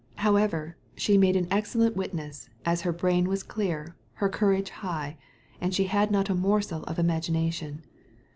However, she made an excellent witness, as her brain was clear, her courage high, and she had not a morsel of imagina tion.